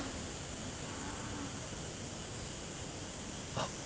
あっ。